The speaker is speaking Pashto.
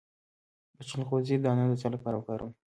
د چلغوزي دانه د څه لپاره وکاروم؟